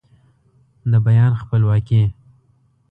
د بیان خپلواکي